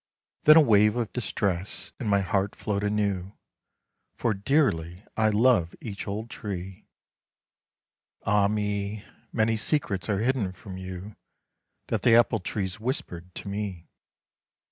Then a wave of distress in my heart flowed anew, For dearly I love each old tree; Ah me! many secrets are hidden from you That the apple trees whispered to me.